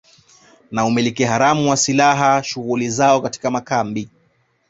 na umiliki haramu wa silaha shughuli zao katika makambi